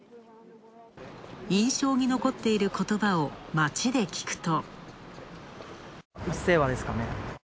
印象に残っている言葉を街で聞くと。